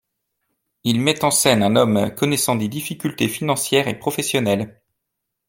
Il met en scène un homme connaissant des difficultés financières et professionnelles.